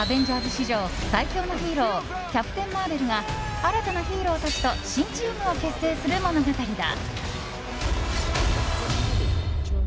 史上最強のヒーローキャプテン・マーベルが新たなヒーローたちと新チームを結成する物語だ。